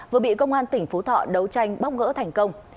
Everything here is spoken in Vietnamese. vừa bị công an tp sóc trăng đấu tranh bóc ngỡ thành công